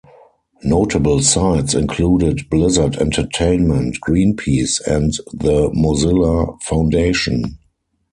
Notable sites included Blizzard Entertainment, Greenpeace, and The Mozilla Foundation.